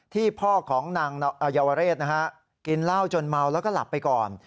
ที่พ่อของนางเยาวเรศกินเหล้าจนเมาแล้วก็หลับไปก่อน